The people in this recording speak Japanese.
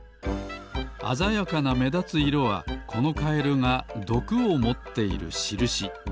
あざやかなめだつ色はこのカエルがどくをもっているしるし。